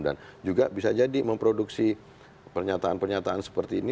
dan juga bisa jadi memproduksi pernyataan pernyataan seperti ini